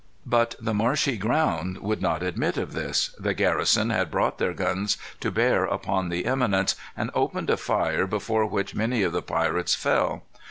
But the marshy ground would not admit of this. The garrison had brought their guns to bear upon the eminence, and opened a fire before which many of the pirates fell.